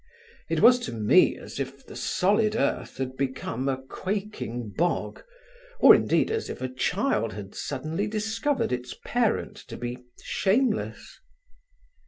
It was to me as if the solid earth had become a quaking bog, or indeed as if a child had suddenly discovered its parent to be shameless.